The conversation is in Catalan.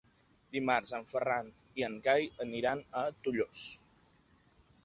Dimarts en Ferran i en Cai aniran a Tollos.